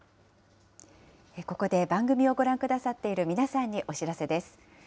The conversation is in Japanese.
ここで番組をご覧くださっている皆さんにお知らせです。